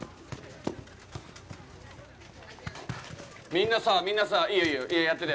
みんなさ、みんなさ、いいよいいよ、やってて。